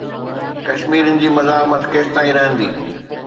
ڪشميرين جي مزاحمت ڪيستائين رهندي؟